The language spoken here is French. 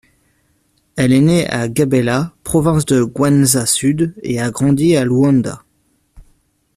Elle est née à Gabela, province de Kwanza-Sud, et a grandi à Luanda.